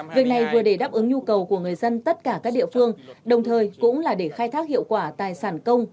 việc này vừa để đáp ứng nhu cầu của người dân tất cả các địa phương đồng thời cũng là để khai thác hiệu quả tài sản công